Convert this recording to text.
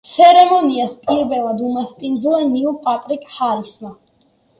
ცერემონიას პირველად უმასპინძლა ნილ პატრიკ ჰარისმა.